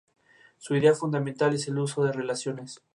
Su idea fundamental es el uso de relaciones.